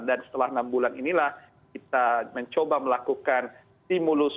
dan setelah enam bulan inilah kita mencoba melakukan stimulus